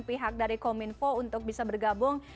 pihak dari kominfo untuk bisa bergabung